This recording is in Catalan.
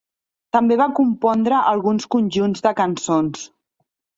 També va compondre alguns conjunts de cançons.